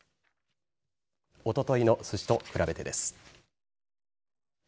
おとといの数字と比べてです。